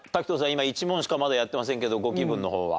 今１問しかまだやってませんけどご気分の方は？